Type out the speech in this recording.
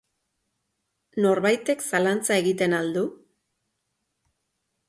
Norbaitek zalantza egiten al du?